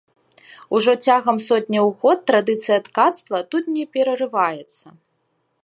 Ужо цягам сотняў год традыцыя ткацтва тут не перарываецца.